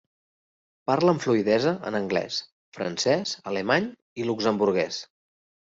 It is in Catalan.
Parla amb fluïdesa en anglès, francès, alemany i luxemburguès.